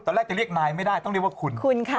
ตอนแรกจะเรียกนายไม่ได้ต้องเรียกว่าคุณค่ะ